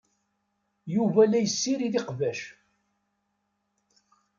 Yuba la yessirid iqbac.